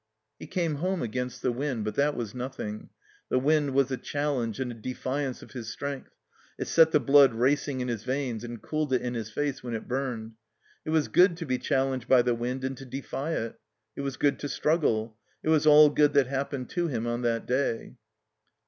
He came home against the wind, but that was nothing. Hie wind was a challenge and a defiance of his strength; it set the blood racing in his veins, and cooled it in his face when it burned. It was good to be challenged by the wind and to defy it. It was good to struggle. It was all good that hap pened to him on that day.